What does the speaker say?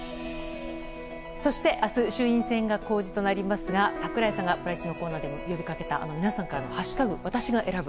そして明日衆議院が公示となりますが櫻井さんがプライチのコーナーでも呼びかけた視聴者の皆さんからの「＃私が選ぶ」